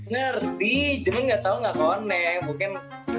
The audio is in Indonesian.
ngerti cuman gak tau gak konek mungkin